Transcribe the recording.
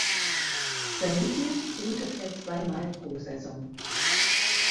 Vermutlich brütet er zweimal pro Saison.